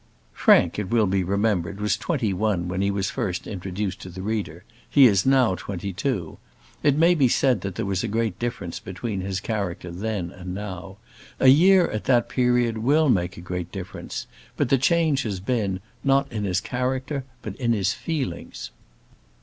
Frank, it will be remembered, was twenty one when he was first introduced to the reader; he is now twenty two. It may be said that there was a great difference between his character then and now. A year at that period will make a great difference; but the change has been, not in his character, but in his feelings.